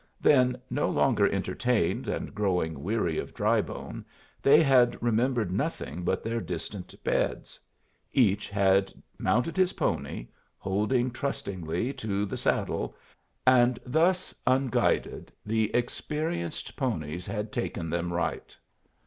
Then, no longer entertained and growing weary of Drybone, they had remembered nothing but their distant beds. Each had mounted his pony, holding trustingly to the saddle, and thus, unguided, the experienced ponies had taken them right.